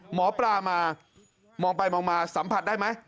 หมอปลามามองไปมองมาสัมผัสได้ไหม